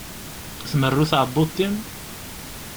Tmerru tɛebbuḍt-im?